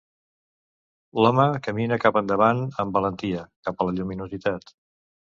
L'home camina cap endavant amb valentia, cap a la lluminositat.